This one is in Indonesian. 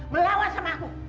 melawan sama aku